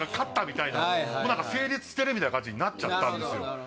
みたいなもう何か成立してるみたいな感じになっちゃったんですよ